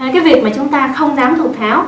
cái việc mà chúng ta không dám thục tháo